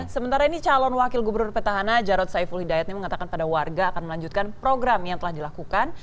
sementara ini calon wakil gubernur petahana jarod saiful hidayatnya mengatakan pada warga akan melanjutkan program yang telah dilakukan